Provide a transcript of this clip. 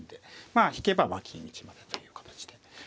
まあ引けば金打ちまでという形で。